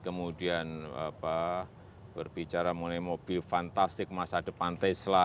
kemudian berbicara mengenai mobil fantastik masa depan tesla